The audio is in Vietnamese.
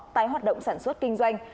tái hoạt động sản xuất kinh doanh